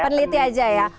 peneliti saja ya